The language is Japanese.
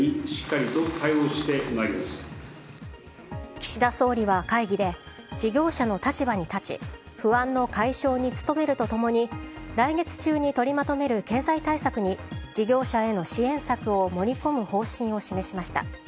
岸田総理は会議で事業者の立場に立ち不安の解消に努めると共に来月中に取りまとめる経済対策に事業者への支援策を盛り込む方針を示しました。